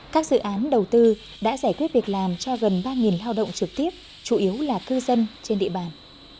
các dự án đầu tư đã giải quyết việc làm cho gần ba lao động trực tiếp chủ yếu là cư dân trên địa bàn